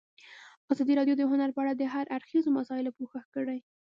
ازادي راډیو د هنر په اړه د هر اړخیزو مسایلو پوښښ کړی.